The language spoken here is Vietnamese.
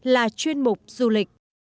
là chuyên mục du lịch